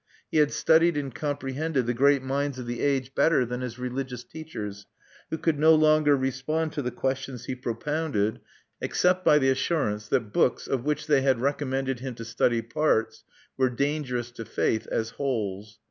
He had studied and comprehended the great minds of the age better than his religious teachers, who could no longer respond to the questions he propounded, except by the assurance that books of which they had recommended him to study parts were dangerous to faith as wholes.